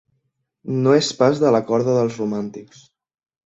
No és pas de la corda dels romàntics.